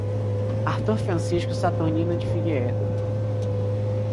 Artur Francisco Saturnino de Figueiredo